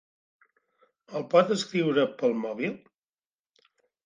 El pot escriure pel mòbil?